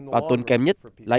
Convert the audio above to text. và tốn kém nhất là